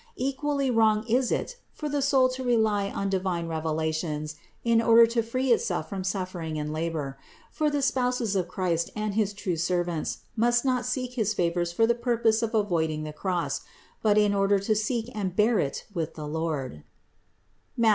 Equally wrong is it for the soul to rely on divine revelations in order to free itself from suffering and labor; for the spouses of Christ and his true servants must not seek his favors for the purpose of avoiding the cross, but in order to seek and bear it with the Lord (Matth.